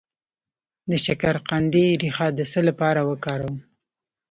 د شکرقندي ریښه د څه لپاره وکاروم؟